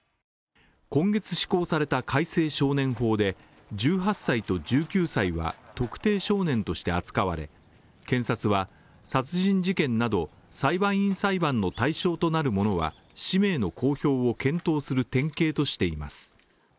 今月施行された改正少年法で１８歳と１９歳は特定少年として扱われ、検察は殺人事件など裁判員裁判の対象となるものは氏名の公表を検討する典型としています。